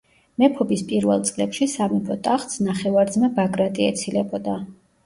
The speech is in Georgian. მეფობის პირველ წლებში სამეფო ტახტს ნახევარძმა ბაგრატი ეცილებოდა.